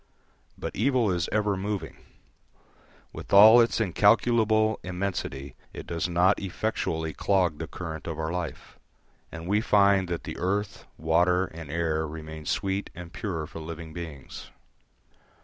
But evil is ever moving; with all its incalculable immensity it does not effectually clog the current of our life; and we find that the earth, water, and air remain sweet and pure for living beings.